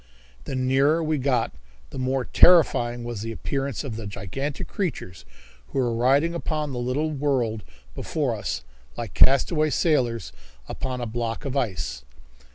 The nearer we got the more terrifying was the appearance of the gigantic creatures who were riding upon the little world before us like castaway sailors upon a block of ice.